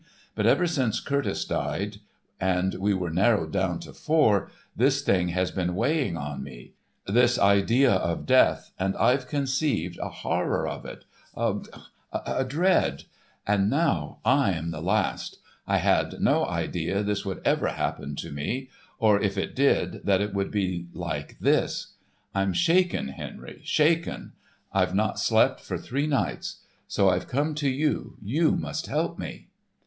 But ever since Curtice died and we were narrowed down to four, this thing has been weighing on me—this idea of death, and I've conceived a horror of it—a—a dread. And now I am the last. I had no idea this would ever happen to me; or if it did, that it would be like this. I'm shaken, Henry, shaken. I've not slept for three nights. So I've come to you. You must help me."